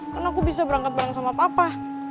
kan aku bisa berangkat bareng sama papa